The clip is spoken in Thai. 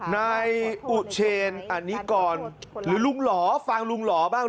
นายอุเชนอันนี้กรหรือลุงหล่อฟังลุงหล่อบ้าง